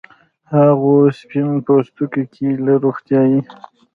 هغو سپین پوستکو کې چې له روغتیايي